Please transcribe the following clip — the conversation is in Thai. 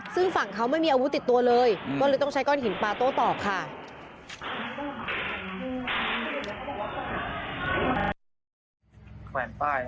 ซึ่งฝั่งเขาไม่มีอาวุธติดตัวเลยก็เลยต้องใช้ก้อนหินปลาโต้ตอบค่ะ